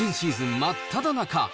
真っただ中。